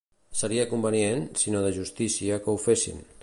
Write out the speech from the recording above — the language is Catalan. Seria convenient, sinó de justícia que ho fessin.